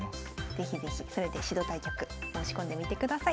是非是非それで指導対局申し込んでみてください。